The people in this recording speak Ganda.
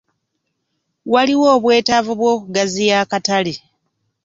Waliwo obwetaavu bw'okugaziya akatale.